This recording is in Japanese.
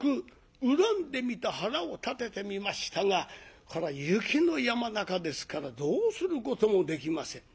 恨んでみた腹を立ててみましたがこら雪の山中ですからどうすることもできません。